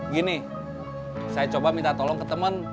gini saya coba minta tolong ke teman